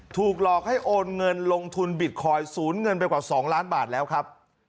ถูกหลอกให้โอนเงินลงทุนบิตคอยน์ศูนย์เงินไปกว่า๒ล้านบาทแล้วครับ